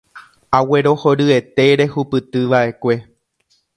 Aguerohoryete rehupytyva'ekue.